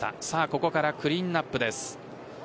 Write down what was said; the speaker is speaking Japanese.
ここからクリーンアップです。